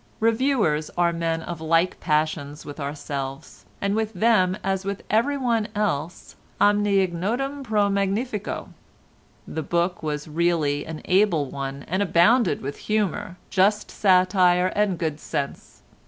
Reviewers are men of like passions with ourselves, and with them as with everyone else omne ignotum pro magnifico. The book was really an able one and abounded with humour, just satire, and good sense.